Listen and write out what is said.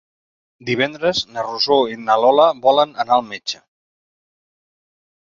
Divendres na Rosó i na Lola volen anar al metge.